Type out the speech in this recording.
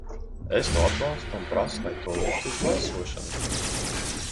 Es to atbalstu un prasu, lai to liktu uz balsošanu.